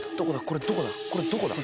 「これどこだ？」